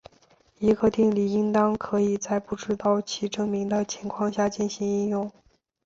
一个定理应当可以在不知道其证明的情况下进行应用。